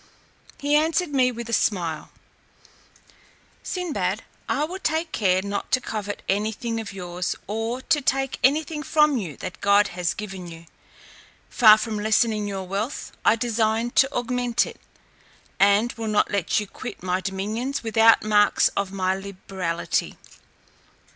He answered me with a smile, "Sinbad, I will take care not to covet any thing of yours, or to take any thing from you that God has given you; far from lessening your wealth, I design to augment it, and will not let you quit my dominions without marks of my liberality."